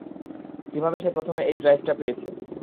কিভাবে সে প্রথমে এই ড্রাইভটা পেয়েছে?